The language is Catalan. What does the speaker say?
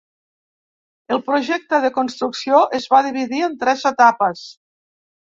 El projecte de construcció es va dividir en tres etapes.